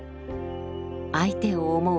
相手を思う